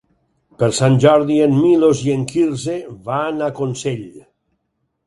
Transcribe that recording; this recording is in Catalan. Per Sant Jordi en Milos i en Quirze van a Consell.